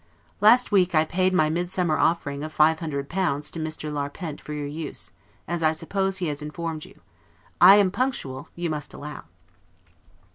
Last week I paid my midsummer offering, of five hundred pounds, to Mr. Larpent, for your use, as I suppose he has informed you. I am punctual, you must allow.